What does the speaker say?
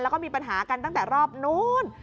แล้วก็มีปัญหากันตั้งแต่รอบนู้น